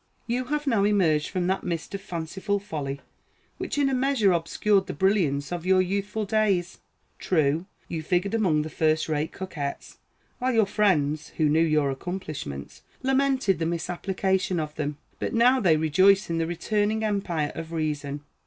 You have now emerged from that mist of fanciful folly which in a measure obscured the brilliance of your youthful days. True, you figured among the first rate coquettes, while your friends, who knew your accomplishments, lamented the misapplication of them; but now they rejoice at the returning empire of reason.